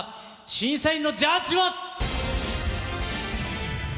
審査員のジャッジは。